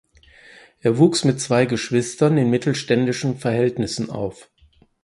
Er wuchs mit zwei Geschwistern in mittelständischen Verhältnissen auf.